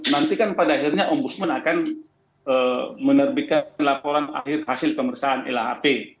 nanti kan pada akhirnya ombudsman akan menerbitkan laporan akhir hasil pemeriksaan lhp